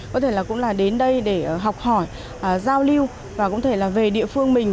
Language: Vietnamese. có thể cũng là đến đây để học hỏi giao lưu và cũng thể là về địa phương mình